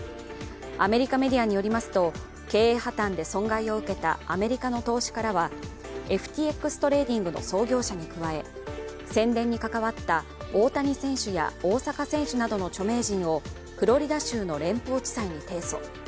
アメリカメディアによりますと経営破綻で損害を受けたアメリカの投資家らはＦＴＸトレーディングの創業者に加え宣伝に関わった大谷選手や大坂選手などの著名人をフロリダ州の連邦地裁に提訴。